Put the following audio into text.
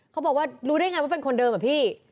เขาบอกว่ารู้ได้ไงว่าเป็นคนเดิมอะพี่